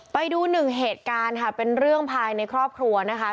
ไปดูหนึ่งเหตุการณ์ค่ะเป็นเรื่องภายในครอบครัวนะคะ